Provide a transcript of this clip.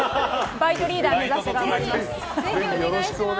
バイトリーダー目指して頑張ります。